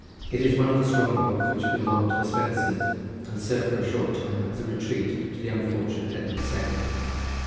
It was one of the strongholds which belonged to the Spencers, and served for a short time as a retreat to the unfortunate Edward the Second.